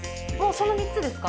その３つですか？